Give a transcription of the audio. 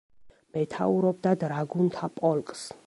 მეთაურობდა დრაგუნთა პოლკს.